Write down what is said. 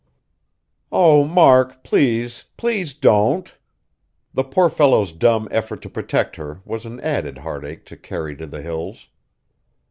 "Oh, Mark, please, please don't!" The poor fellow's dumb effort to protect her was an added heartache to carry to the Hills.